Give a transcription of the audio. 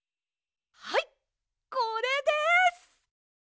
はいこれです！